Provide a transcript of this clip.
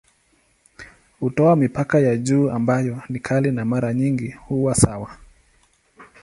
Hutoa mipaka ya juu ambayo ni kali na mara nyingi huwa sawa.